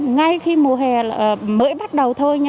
ngay khi mùa hè mới bắt đầu thôi